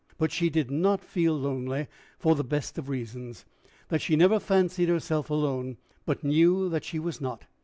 But she did not feel lonely, for the best of reasons that she never fancied herself alone, but knew that she was not.